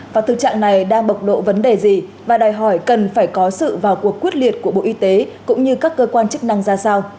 và thực trạng này đang bộc độ vấn đề gì và đòi hỏi cần phải có sự vào cuộc quyết liệt của bộ y tế cũng như các cơ quan chức năng ra sao